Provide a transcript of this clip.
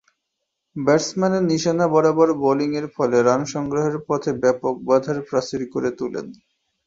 ব্যাটসম্যানের নিশানা বরাবর বোলিংয়ের ফলে রান সংগ্রহের পথে ব্যাপক বাধার প্রাচীর গড়ে তুলেন।